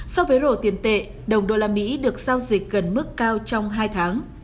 so với rổ tiền tệ đồng usd được giao dịch gần mức cao trong hai tháng